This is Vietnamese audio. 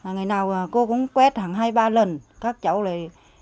ngày nào cô cũng quét hàng hai ba lần các cháu lại